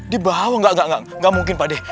di bawah nggak mungkin pak deh